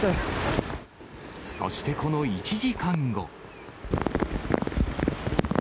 そしてこの１時間後。